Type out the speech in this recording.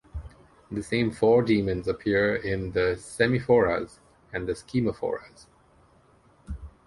The same four demons appear in the "Semiphoras and Schemhamforas".